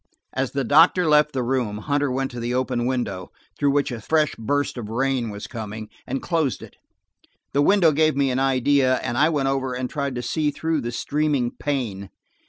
As the doctor left the room Hunter went to the open window, through which a fresh burst of rain was coming, and closed it. The window gave me an idea, and I went over and tried to see through the streaming pane.